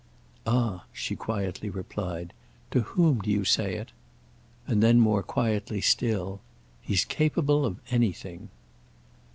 "Ah," she quietly replied, "to whom do you say it?" And then more quietly still: "He's capable of anything."